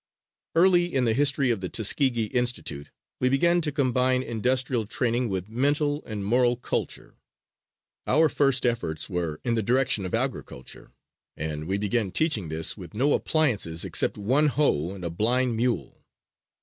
Early in the history of the Tuskegee Institute we began to combine industrial training with mental and moral culture. Our first efforts were in the direction of agriculture, and we began teaching this with no appliances except one hoe and a blind mule.